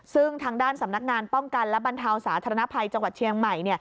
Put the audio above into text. ซึ่งทางด้านสำนักงานป้องกันและบรรเทาสาธารณภัยจังหวัดเชียงใหม่